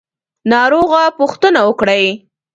ناروغه پوښتنه وکړئ